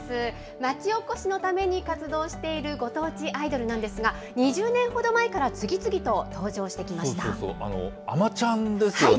町おこしのために活動しているご当地アイドルなんですが、２０年ほど前から次々と登場してきましそうそう、あまちゃんですよね。